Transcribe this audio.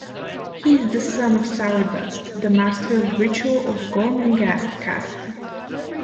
He is the son of Sourdust, the Master of Ritual of Gormenghast castle.